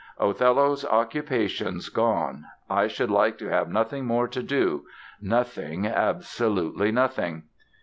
Othello's occupation's gone; I should like to have nothing more to do—nothing, absolutely nothing!"